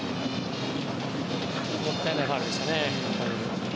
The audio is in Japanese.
もったいないファウルでしたね。